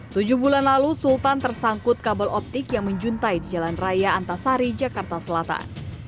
tujuh bulan lalu sultan tersangkut kabel optik yang menjuntai di jalan raya antasari jakarta selatan